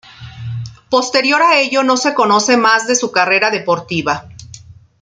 Posterior a ello no se conoce más de su carrera deportiva.